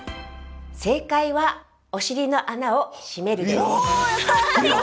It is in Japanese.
正解はお尻の穴を締めるです。